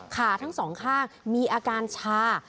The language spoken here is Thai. ขาทั้งสองข้างมีอาการชา